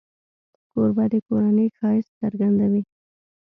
کوربه د کورنۍ ښایست څرګندوي.